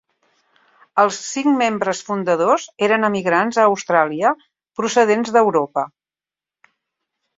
Els cinc membres fundadors eren emigrants a Austràlia procedents d'Europa.